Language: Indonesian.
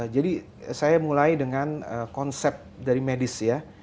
jadi saya mulai dengan konsep dari medis ya